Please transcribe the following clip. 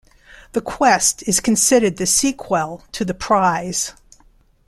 "The Quest" is considered the sequel to "The Prize".